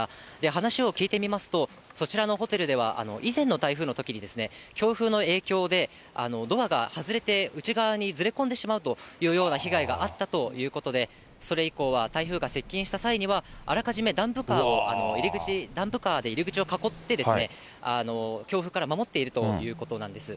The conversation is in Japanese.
話を聞いてみますと、そちらのホテルでは、以前の台風のときに、強風の影響でドアが外れて、内側にずれ込んでしまうという被害があったということで、それ以降は台風が接近した際には、あらかじめダンプカーで入り口を囲って、強風から守っているということなんです。